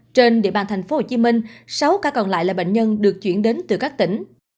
trên địa bàn thành phố hồ chí minh sáu ca còn lại là bệnh nhân được chuyển đến từ các tỉnh